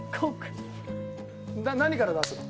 何から出すの？